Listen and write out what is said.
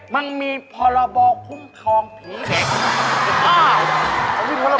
มันมีพอระบอกคุ้มคลองผีเหล็ก